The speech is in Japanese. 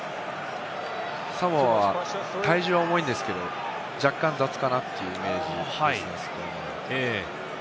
サモアは体重は重いんですけど、若干雑かなというイメージです。